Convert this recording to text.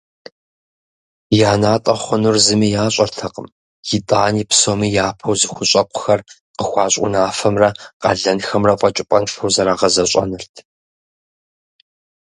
Я натӀэ хъунур зыми ящӀэртэкъым, итӀани псом япэу зыхущӀэкъухэр къыхуащӀ унафэмрэ къалэнхэмрэ фэкӀыпӀэншэу зэрагъэзэщӀэнырт.